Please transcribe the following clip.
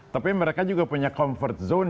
tapi mereka juga punya comfort zone